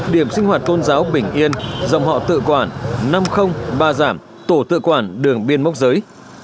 điểm sinh hoạt tôn giáo bình yên dòng họ tự quản năm ba giảm tổ tự quản đường biên mốc giới